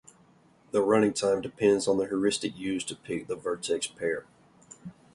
The running time depends on the heuristic used to pick the vertex pair.